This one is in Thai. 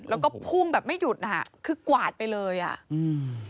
แล้วก็พุ่งแบบไม่หยุดน่ะคือกวาดไปเลยอ่ะอืม